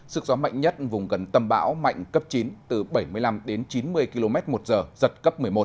sức gió mạnh nhất vùng gần tâm bão mạnh cấp chín từ bảy mươi năm đến chín mươi km một giờ giật cấp một mươi một